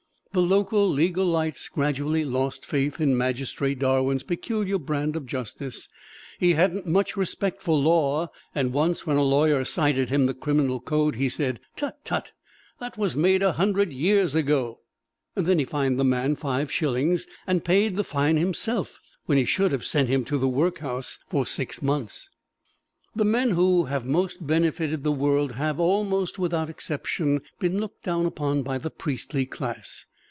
The local legal lights gradually lost faith in Magistrate Darwin's peculiar brand of justice; he hadn't much respect for law, and once when a lawyer cited him the criminal code he said, "Tut, tut, that was made a hundred years ago!" Then he fined the man five shillings, and paid the fine himself, when he should have sent him to the workhouse for six months. The men who have most benefited the world have, almost without exception, been looked down upon by the priestly class.